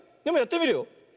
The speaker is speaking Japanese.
でもやってみるよ。